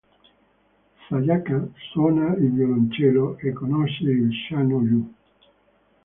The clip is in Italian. Sayaka suona il violoncello, e conosce il Cha no yu.